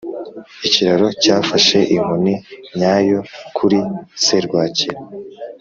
ikiraro cyafashe inkoni nyayo kuri serwakira.